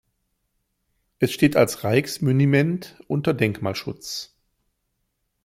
Es steht als Rijksmonument unter Denkmalschutz.